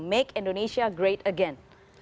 make indonesia great again